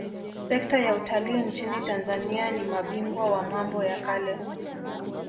Sekta ya Utalii nchini Tanzania ni mabingwa wa mambo ya kale